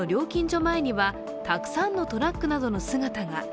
前にはたくさんのトラックなどの姿が。